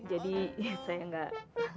jadi saya enggak